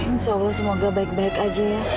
insya allah semoga baik baik aja ya